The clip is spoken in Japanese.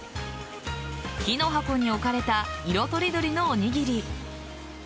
木の箱に置かれた色とりどりのおにぎり。